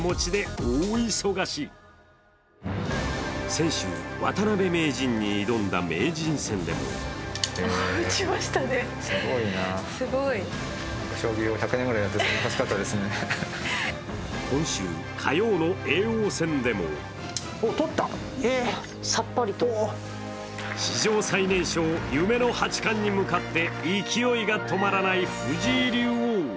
先週、渡辺名人に挑んだ名人戦で今週火曜の叡王戦でも史上最年少、夢の八冠に向かって勢いが止まらない藤井竜王。